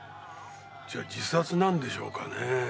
じゃあ自殺なんでしょうかねえ。